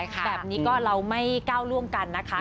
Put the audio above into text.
แบบนี้ก็เราไม่ก้าวล่วงกันนะคะ